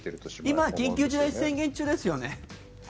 今緊急事態宣言中ですよね？